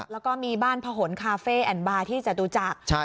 แล้วก็มีบ้านผะหนคาเฟ่แอนด์บาร์ที่จะรู้จัก